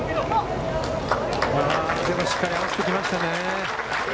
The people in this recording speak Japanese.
でもしっかり合わせてきましたね。